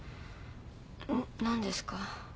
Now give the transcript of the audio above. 何ですか？